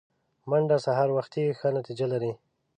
منډه سهار وختي ښه نتیجه لري